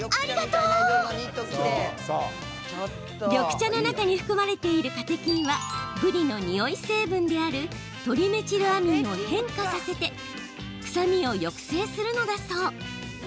う緑茶の中に含まれているカテキンはぶりのにおい成分であるトリメチルアミンを変化させて臭みを抑制するのだそう。